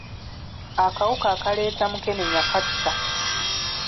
Akawuka akaleeta mukenenya katta.